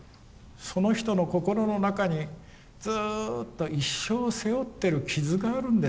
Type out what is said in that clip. その人の心の中にずうっと一生背負ってる傷があるんです